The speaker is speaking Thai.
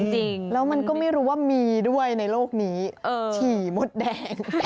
จริงแล้วมันก็ไม่รู้ว่ามีด้วยในโลกนี้ฉี่มดแดง